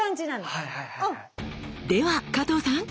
では加藤さん